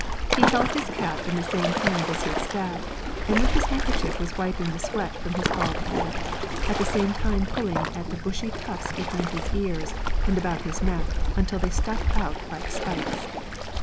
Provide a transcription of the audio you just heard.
He held his cap in the same hand as his staff, and with his handkerchief was wiping the sweat from his bald head, at the same time pulling at the bushy tufts behind his ears and about his neck until they stuck out like spikes.